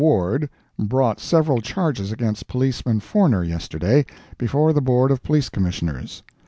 Ward brought several charges against Policeman Forner, yesterday, before the Board of Police Commissioners.